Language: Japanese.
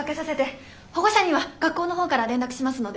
保護者には学校の方から連絡しますので。